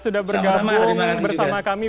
sudah bergabung bersama kami sama sama terima kasih juga